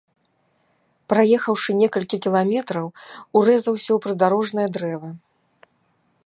Праехаўшы некалькі кіламетраў, урэзаўся ў прыдарожнае дрэва.